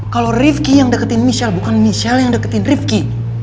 kalau rifki yang deketin michelle bukan michelle yang deketin rifki